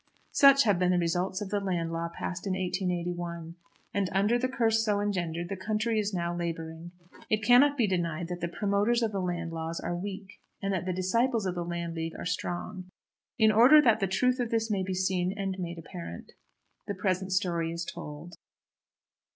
Such have been the results of the Land Law passed in 1881. And under the curse so engendered the country is now labouring. It cannot be denied that the promoters of the Land Laws are weak, and that the disciples of the Landleague are strong. In order that the truth of this may be seen and made apparent, the present story is told.